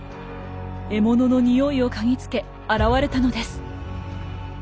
獲物のにおいを嗅ぎつけ現れたのです。